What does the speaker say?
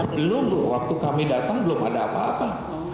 belum loh waktu kami datang belum ada apa apa